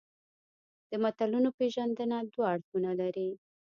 د متلونو پېژندنه دوه اړخونه لري